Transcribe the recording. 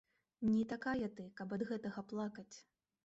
Не такая ты, каб ад гэтага плакаць.